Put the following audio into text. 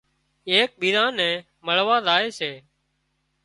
ايڪ ٻيزان نين مۯوا زائي سي